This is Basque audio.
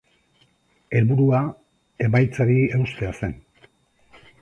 Helburua emaitzari eustea zen.